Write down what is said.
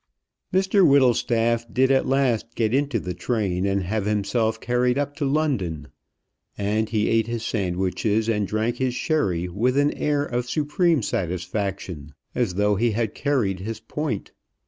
Mr Whittlestaff did at last get into the train and have himself carried up to London. And he ate his sandwiches and drank his sherry with an air of supreme satisfaction, as though he had carried his point.